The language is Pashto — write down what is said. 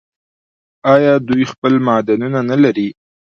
آیا دوی خپل معبدونه نلري؟